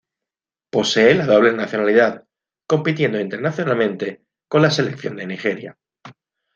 Posee la doble nacionalidad, compitiendo internacionalmente con la selección de Nigeria.